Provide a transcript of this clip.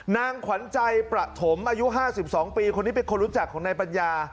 นางขวัญใจประถมอายุ๕๒ปีคนนี้เป็นคนรู้จักของนายปัญญา